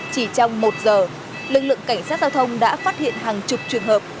chỉ trong một giờ lực lượng cảnh sát giao thông đã phát hiện hàng chục trường hợp